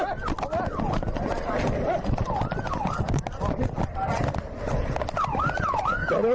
นี่มาชุบพี่